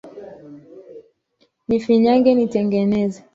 Nifinyange, nitengeneze